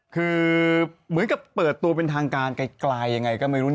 คือเหมือนกับเปิดตัวเป็นทางการไกลยังไงก็ไม่รู้